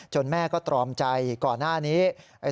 แม่ก็ตรอมใจก่อนหน้านี้